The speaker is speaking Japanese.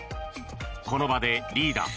この場でリーダー